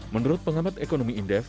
menurut pengamat ekonomi indef